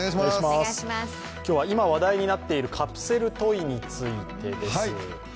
今日は今話題になっているカプセルトイについてです。